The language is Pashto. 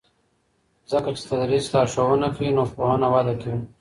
ځکه چې تدریس لارښوونه کوي نو پوهنه وده کوي.